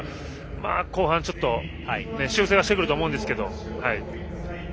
後半は修正はしてくると思うんですけども。